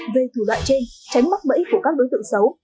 về thủ đoạn trên tránh mắc bẫy của các đối tượng xấu